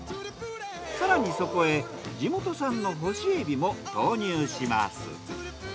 更にそこへ地元産の干しエビも投入します。